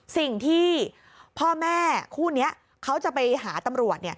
สิ่งที่พ่อแม่คู่นี้เขาจะไปหาตำรวจ